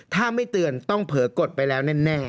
ถ้าไม่เตือนต้องเผลอกดไปแล้วแน่